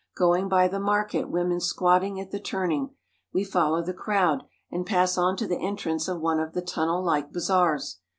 Going by the market women squatting at the turning, we follow the crowd and pass on to the entrance of one of the tunnel like bazaars.